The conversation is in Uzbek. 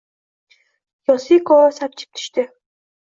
Yosiko sapchib tushdi